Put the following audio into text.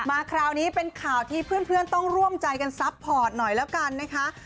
คราวนี้เป็นข่าวที่เพื่อนต้องร่วมใจกันซัพพอร์ตหน่อยแล้วกันนะคะ